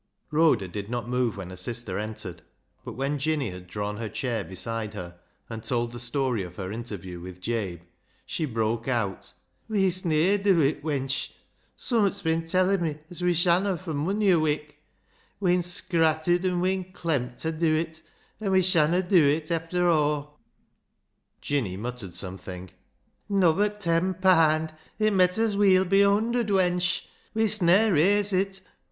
Rhoda did not move when her sister entered, but when Jinny had drawn her chair beside her, and told the story of her interview with Jabe, she broke out —" We'est ne'er dew it, wench ! Summat's bin tellin' me as we shanna for mony a wik. We'en scratted an' we'en clemm't ta dew it, an' we shanna dew it efther aw." Jinny muttered something, " Nobbut ten paand ! It met as wecl be a hunderd, wench. We'est ne'er raise it.